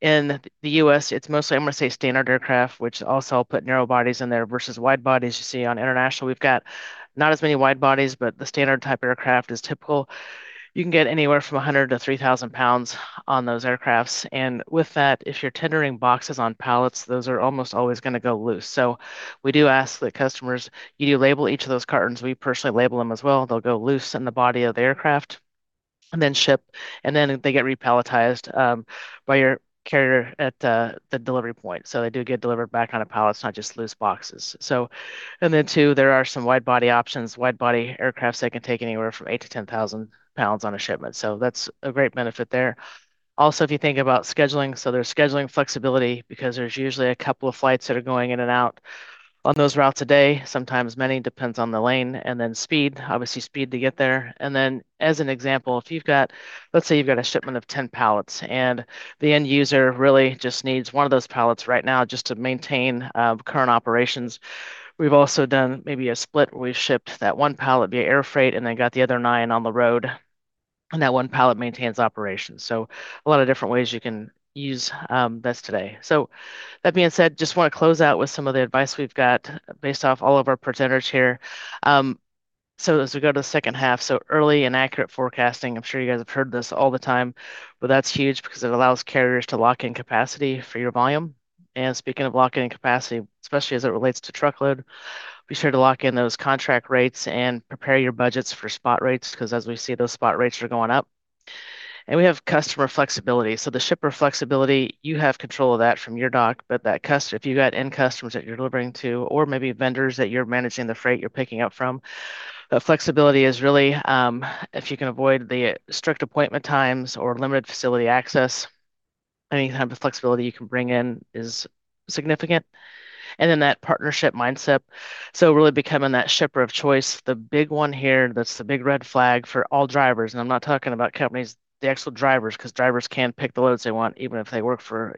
in the U.S., it's mostly, I'm going to say, standard aircraft, which also I'll put narrow bodies in there versus wide bodies. You see on international, we've got not as many wide bodies, but the standard type aircraft is typical. You can get anywhere from 100 to 3,000 lbs on those aircrafts. With that, if you're tendering boxes on pallets, those are almost always going to go loose. We do ask the customers, you do label each of those cartons. We personally label them as well. They'll go loose in the body of the aircraft, and then ship, and then they get re-palletized by your carrier at the delivery point. They do get delivered back on a pallet, it's not just loose boxes. Then, too, there are some wide body options. Wide body aircrafts that can take anywhere from 8,000 to 10,000 lbs on a shipment. That's a great benefit there. Also, if you think about scheduling, there's scheduling flexibility because there's usually a couple of flights that are going in and out on those routes a day. Sometimes many, depends on the lane. Then speed, obviously speed to get there. Then, as an example, if you've got, let's say you've got a shipment of 10 pallets and the end user really just needs one of those pallets right now just to maintain current operations. We've also done maybe a split where we shipped that one pallet via air freight and then got the other nine on the road, and that one pallet maintains operations. A lot of different ways you can use this today. That being said, just want to close out with some of the advice we've got based off all of our presenters here. As we go to the second half, early and accurate forecasting, I'm sure you guys have heard this all the time, but that's huge because it allows carriers to lock in capacity for your volume. Speaking of locking in capacity, especially as it relates to truckload, be sure to lock in those contract rates and prepare your budgets for spot rates because as we see, those spot rates are going up. We have customer flexibility. The shipper flexibility, you have control of that from your dock, but if you've got end customers that you're delivering to or maybe vendors that you're managing the freight you're picking up from, flexibility is really, if you can avoid the strict appointment times or limited facility access, any type of flexibility you can bring in is significant. Then that partnership mindset. Really becoming that shipper of choice. I'm not talking about companies, the actual drivers, because drivers can pick the loads they want even if they work for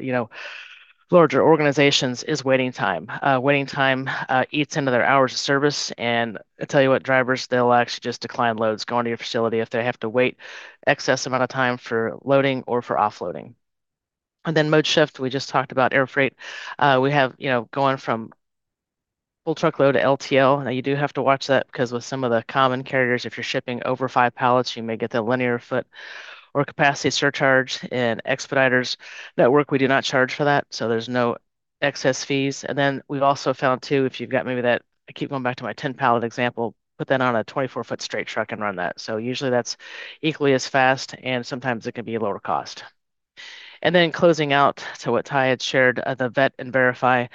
larger organizations, is waiting time. Waiting time eats into their hours of service. I tell you what, drivers, they'll actually just decline loads going to your facility if they have to wait excess amount of time for loading or for offloading. Mode shift, we just talked about air freight. We have going from full truckload to LTL. You do have to watch that because with some of the common carriers, if you're shipping over five pallets, you may get the linear foot or capacity surcharge. In Expeditors network, we do not charge for that, so there's no excess fees. We've also found, too, if you've got maybe that, I keep going back to my 10 pallet example, put that on a 24 ft straight truck and run that. Usually that's equally as fast and sometimes it can be a lower cost. Closing out to what Tai had shared, the vet and verify.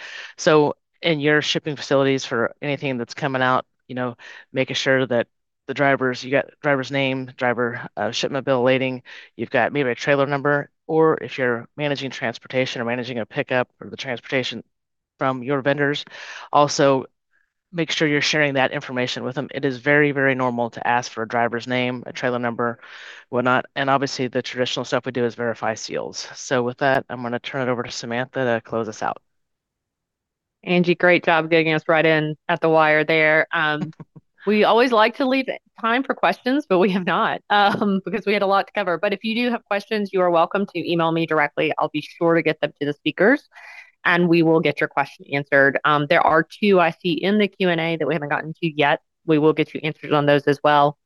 In your shipping facilities for anything that's coming out, making sure that the drivers, you got driver's name, driver shipment bill of lading, you've got maybe a trailer number, or if you're managing transportation or managing a pickup for the transportation from your vendors, also make sure you're sharing that information with them. It is very, very normal to ask for a driver's name, a trailer number, whatnot. Obviously, the traditional stuff we do is verify seals. With that, I'm going to turn it over to Samantha to close us out. Angi, great job getting us right in at the wire there. We always like to leave time for questions, we have not, because we had a lot to cover. If you do have questions, you are welcome to email me directly. I'll be sure to get them to the speakers, we will get your question answered. There are two I see in the Q&A that we haven't gotten to yet. We will get you answers on those as well.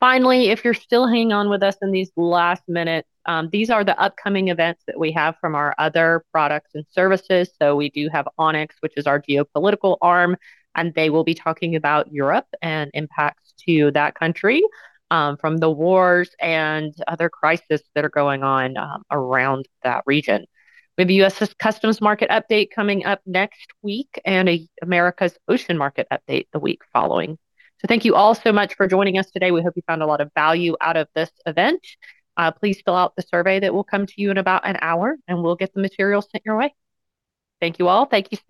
Finally, if you're still hanging on with us in these last minutes, these are the upcoming events that we have from our other products and services. We do have Onyx, which is our geopolitical arm, and they will be talking about Europe and impacts to that country, from the wars and other crisis that are going on around that region. We have a U.S. Customs market update coming up next week, and America's Ocean market update the week following. Thank you all so much for joining us today. We hope you found a lot of value out of this event. Please fill out the survey that will come to you in about an hour, and we'll get the materials sent your way. Thank you all. Thank you, speakers